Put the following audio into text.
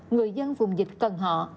người dân vùng dịch cần họ